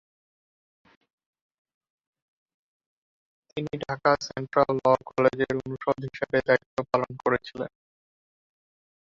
তিনি Dhaka central law' কলেজের অনুষদ হিসাবে দায়িত্ব পালন করেছিলেন।